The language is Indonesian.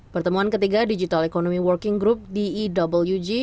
pertemuan ketiga digital economy working group diwg